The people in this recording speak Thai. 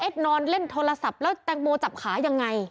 นอนเล่นโทรศัพท์แล้วแตงโมจับขายังไง